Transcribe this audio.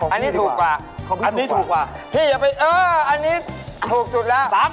ของพี่ดีกว่าของพี่ดีกว่าพี่อย่าไปอันนี้ถูกจุดแล้ว